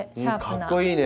かっこいいね。